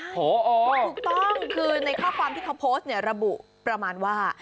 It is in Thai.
พอถูกต้องคือในข้อความที่เขาโพสต์เนี่ยระบุประมาณว่า